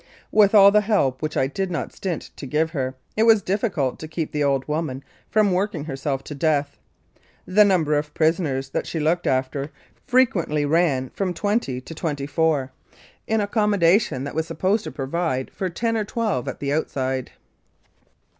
With all the help which I did not stint to give her, it was difficult to keep the old woman from working herself to death. The number of prisoners that she looked after frequently ran from twenty to twenty four, in accommodation 120 1906 14. Calgary that was supposed to provide for ten or twelve at the outside.